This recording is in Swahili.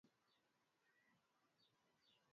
linaonyesha ya kwamba alikuwa mgeni kutoka Kurene Libia